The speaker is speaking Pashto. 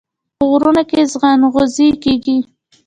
په غرونو کې ځنغوزي کیږي.